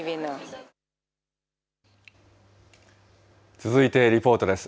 続いてリポートです。